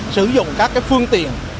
sử dụng các phương tiện